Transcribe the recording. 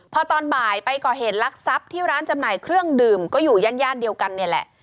พอตอนบ่ายไปก่อเหตุลักษัพที่ร้านจำหน่ายเครื่องดื่มก็อยู่ย่านเดียวกันนี่แหละ